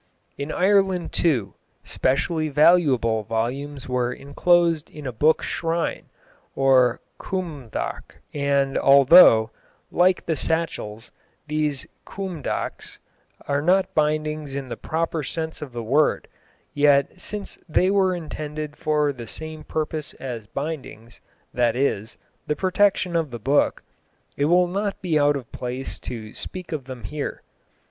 '" In Ireland, too, specially valuable volumes were enclosed in a book shrine, or cumhdach; and although, like the satchels, these cumhdachs are not bindings in the proper sense of the word, yet since they were intended for the same purpose as bindings, that is, the protection of the book, it will not be out of place to speak of them here.